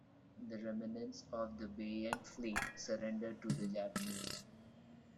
The remnants of the Beiyang Fleet surrendered to the Japanese.